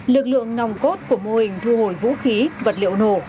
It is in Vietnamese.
lực lượng nòng cốt của mô hình thu hồi vũ khí vật liệu nổ